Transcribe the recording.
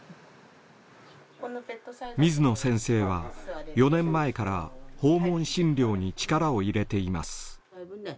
水野先生は４年前から訪問診療に力を入れています。